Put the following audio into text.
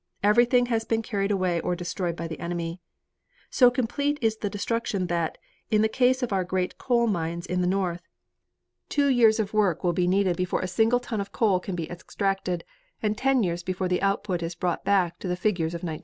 Everything has been carried away or destroyed by the enemy. So complete is the destruction that, in the case of our great coal mines in the north, two years of work will be needed before a single ton of coal can be extracted and ten years before the output is brought back to the figures of 1913.